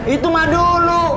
itu mah dulu